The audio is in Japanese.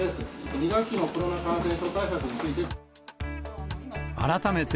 ２学期のコロナ感染症対策について。